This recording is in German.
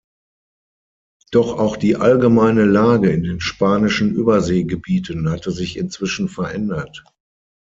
Doch auch die allgemeine Lage in den spanischen Überseegebieten hatte sich inzwischen verändert.